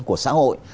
của xã hội